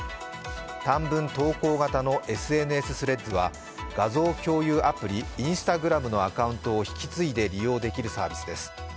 短文投稿型のＳＮＳ、Ｔｈｒｅａｄｓは画像共有アプリ、Ｉｎｓｔａｇｒａｍのアカウントを引き継いで利用できるサービスです。